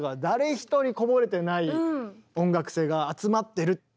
誰一人こぼれてない音楽性が集まってる。